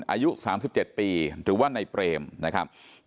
อายุ๓๗ปีหรือว่าในเปรมนะครับ